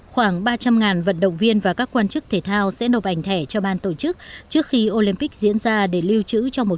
khoảng ba trăm linh vận động viên và các quan chức thể thao sẽ nộp ảnh thẻ cho ban tổ chức trước khi olympic diễn ra để lưu trữ cho một